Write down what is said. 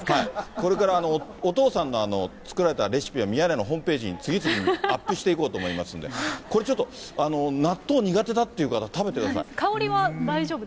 これからお父さんの作られたレシピはミヤネ屋のホームページに、次々にアップしていこうと思いますので、これちょっと、納豆苦手香りは大丈夫ですか？